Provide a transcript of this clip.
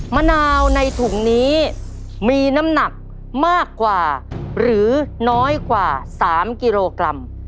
มะนาวในถุงนี้มีน้ำหนักมากกว่าหรือน้อยกว่า๓กิโลกรัม